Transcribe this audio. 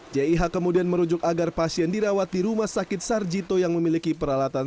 jih kemudian merujuk agar pasien dirawat di rumah sakit sarjito yang memiliki peralatan